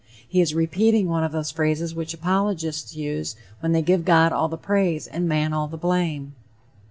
He is repeating one of those phrases which apologists use when they give God all the praise and man all the blame.